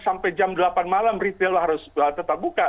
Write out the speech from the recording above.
sampai jam delapan malam retail harus tetap buka